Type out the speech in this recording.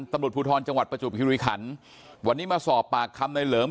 ตำรวจภูทรจังหวัดประจวบคิริขันวันนี้มาสอบปากคำในเหลิม